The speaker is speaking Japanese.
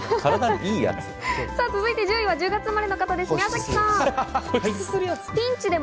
続いて１０位は１０月生まれの方、宮崎さん。